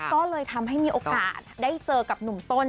ก็เลยทำให้มีโอกาสได้เจอกับหนุ่มต้น